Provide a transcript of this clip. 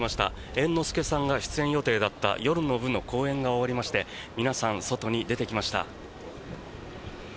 猿之助さんが出演予定だった夜の部の公演が終わりまして皆さん、外に出てきました。